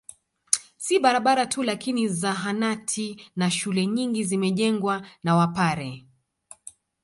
Si barabara tu lakini zahanati na shule nyingi zimejengwa na wapare